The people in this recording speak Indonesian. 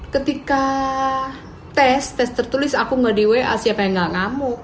ketika tes tes tertulis aku nggak di wa siapa yang gak ngamuk